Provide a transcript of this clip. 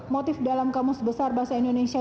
motif dalam kamus besar bahasa indonesia